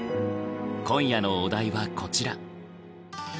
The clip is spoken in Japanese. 今夜のお題はこちら。